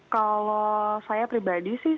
kalau saya pribadi sih